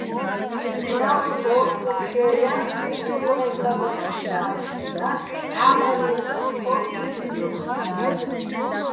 თხაბუს ო́შტუჼ ფშე́ლ ჲარ, შილღეჼ საბაჼ ჴუჲლლნა́ს, ნასტ ტა́მარჲენო ტოტ-ქო́კი ჲოფხჲინა́ს.